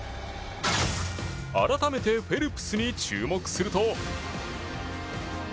改めてフェルプスに注目すると。